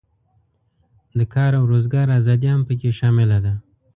د کار او روزګار آزادي هم پکې شامله ده.